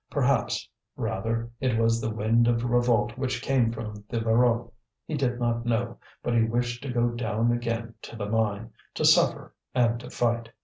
Perhaps, rather, it was the wind of revolt which came from the Voreux. He did not know, but he wished to go down again to the mine, to suffer and to fight.